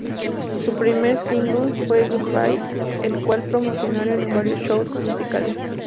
Su primer single fue "Good Bye", el cual promocionaron en varios shows musicales.